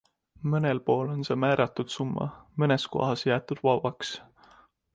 Mõnel pool on see määratud summa, mõnes kohas jäetud vabaks.